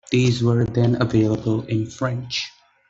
These were then available in French.